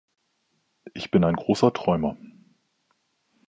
Ich bin ein großer Träumer.